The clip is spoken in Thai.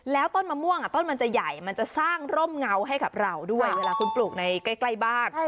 แล้วต้นมะม่วงต้นมันจะใหญ่มันจะสร้างร่มเงาให้กับเราด้วยเวลาคุณปลูกในใกล้บ้าน